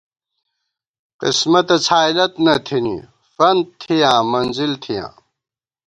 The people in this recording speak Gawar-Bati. قِسمَتہ څھائیلَت نہ تھنی، فنت تھِیاں منزِل تھِیاں